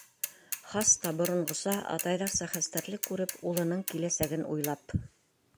Хас та боронғоса, атайҙарса хәстәрлек күреп, улының киләсәген уйлап.